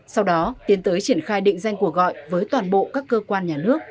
sau đó tiến tới triển khai định danh cuộc gọi với toàn bộ các cơ quan nhà nước